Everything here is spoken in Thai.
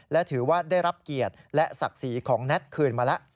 และถือว่าได้รับเกียรติและศักดิ์ศรีของแน็ตคืนมาแล้ว